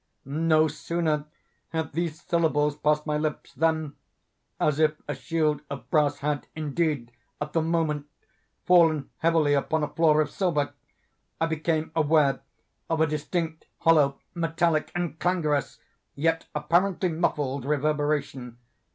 No sooner had these syllables passed my lips, than—as if a shield of brass had indeed, at the moment, fallen heavily upon a floor of silver—I became aware of a distinct, hollow, metallic, and clangorous, yet apparently muffled reverberation.